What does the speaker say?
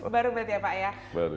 baru berarti ya pak ya